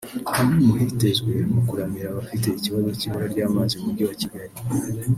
Hamwe mu hitezwe mu kuramira abafite ikibazo cy’ibura ry’ amazi mu Mujyi wa Kigali